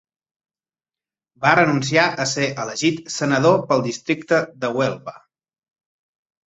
Va renunciar a ser elegit senador pel districte de Huelva.